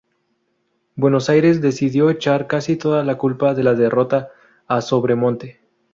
Buenos Aires decidió echar casi toda la culpa de la derrota a Sobremonte.